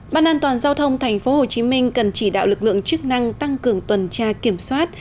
ban an toàn giao thông tp hcm cần chỉ đạo lực lượng chức năng tăng cường tuần tra kiểm soát